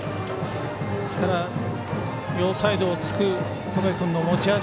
ですから、両サイドをつく岡部君の持ち味